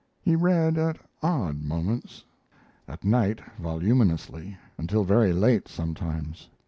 He read at odd moments; at night voluminously until very late, sometimes.